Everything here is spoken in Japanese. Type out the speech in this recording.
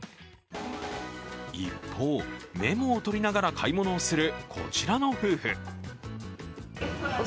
一方、メモをとりながら買い物をするこちらの夫婦。